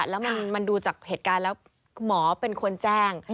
แล้วมันดูจากเหตุการณ์แล้วหมอเป็นคนแจ้ง